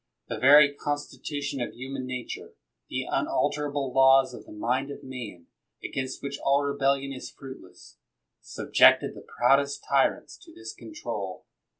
The very con stitution of human nature, the unalterable laws of the mind of man, against which all rebellion is fruitless, subjected the proudest tyrants to this control.